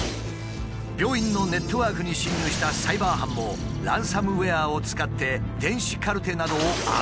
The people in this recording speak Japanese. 病院のネットワークに侵入したサイバー犯もランサムウエアを使って電子カルテなどを暗号化。